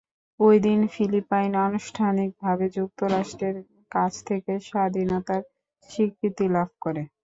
ঐদিন ফিলিপাইন আনুষ্ঠানিকভাবে যুক্তরাষ্ট্রের কাছ থেকে স্বাধীনতার স্বীকৃতি লাভ করে।